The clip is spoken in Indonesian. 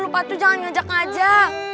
lupa tuh jangan ngajak ngajak